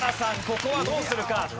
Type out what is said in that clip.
ここはどうするか。